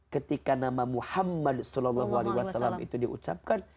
ketika nama muhammad saw itu diucapkan